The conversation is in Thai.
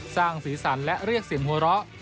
สร้างสีสันและเรียกเสียงหัวเราะ